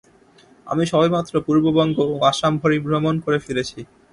আমি সবেমাত্র পূর্ববঙ্গ ও আসাম পরিভ্রমণ করে ফিরেছি।